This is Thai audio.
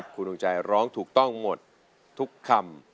คุณดวงใจร้องถูกต้องหมดทุกคำ